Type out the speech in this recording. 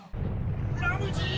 ・ラムジー！！